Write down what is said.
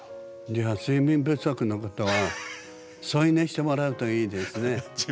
じゃあ睡眠不足の方は添い寝してもらうといいですね。